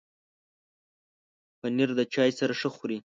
پنېر د چای سره ښه خوري.